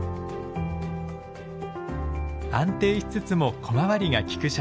安定しつつも小回りがきく車体。